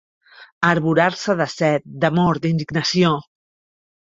Arborar-se de set, d'amor, d'indignació.